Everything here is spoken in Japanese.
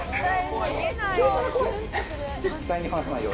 絶対に離さないよ。